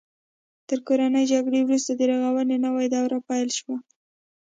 تر کورنۍ جګړې وروسته د رغونې نوې دوره پیل شوه.